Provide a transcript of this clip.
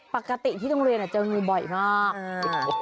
ปกติที่โรงเรียนเจองูบ่อยมาก